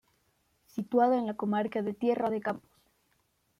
Situada en la comarca de Tierra de Campos.